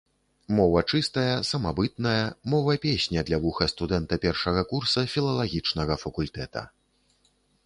Мова чыстая, самабытная, мова-песня для вуха студэнта першага курса філалагічнага факультэта.